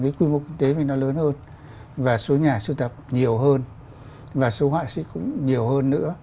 cái quy mô kinh tế mình nó lớn hơn và số nhà sưu tập nhiều hơn và số họa sĩ cũng nhiều hơn nữa